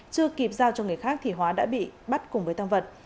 chưa kịp giao cho người khác thì hóa đã bị bắt cùng với tăng vật